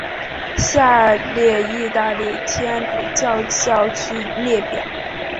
下列意大利天主教教区列表。